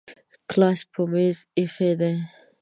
ګلاس په میز ایښی دی